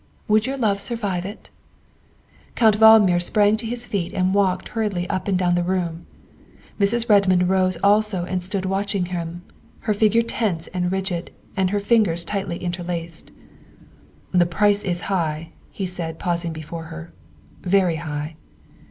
Would your love survive it ?" Count Valdmir sprang to his feet and walked hur riedly up and down the room; Mrs. Redmond rose also and stood watching him, her figure tense and rigid and her fingers tightly interlaced. '' The price is high, '' he said, pausing before her, " very high."